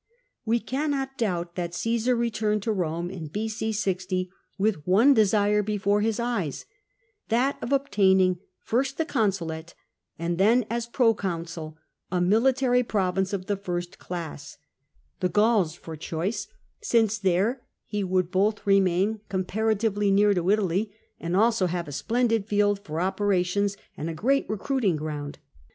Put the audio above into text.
We cannot doubt that Caesar returned to liome in B.u. 60 with one di^sire beforcs his eyes, that of obtain ing first the consulate, and then, as proccmaul, a military province of the first class — the Gauls for choice, since CiESAKS FIKST CONSULSHIP 309 there he would both remain comparatively near to Italy, and also have a splendid field for operations and a great recruiting ground.